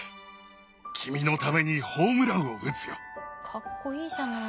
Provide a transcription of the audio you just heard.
かっこいいじゃない。